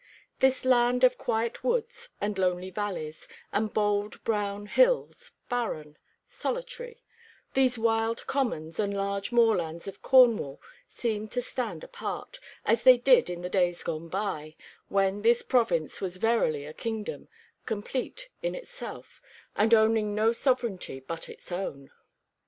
This land of quiet woods and lonely valleys, and bold brown hills, barren, solitary these wild commons and large moorlands of Cornwall seem to stand apart, as they did in the days gone by, when this province was verily a kingdom, complete in itself, and owning no sovereignty but its own.